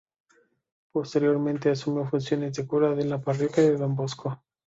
Posteriormente, asumió funciones de cura en la parroquia de Don Bosco.